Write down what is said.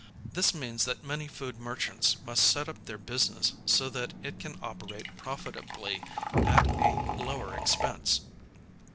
This means that many food merchants must set up their business so that it can operate profitably at a lower expense.